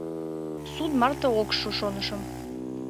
— Суд марте ок шу, шонышым.